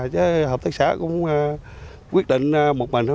chứ hợp tác xã cũng quyết định một mình thôi